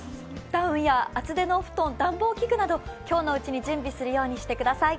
ダウンや厚手のお布団暖房器具など今日のうちに準備するようにしてください。